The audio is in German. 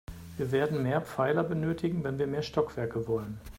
Wir werden mehr Pfeiler benötigen, wenn wir mehr Stockwerke wollen.